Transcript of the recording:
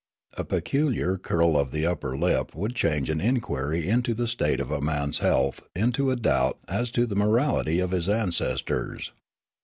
A peculiar curl of the upper lip would change an inquiry into the state of a man's health into a doubt as to the morality of his ancestors.